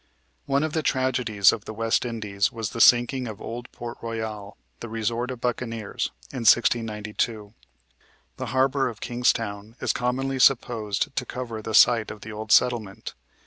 One of the tragedies of the West Indies was the sinking of old Port Royal, the resort of buccaneers, in 1692. The harbor of Kingstown is commonly supposed to cover the site of the old settlement.